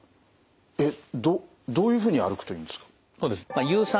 えっどういうふうに歩くといいんですか？